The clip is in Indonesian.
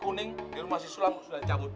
kuning di rumah si sulang sudah cabut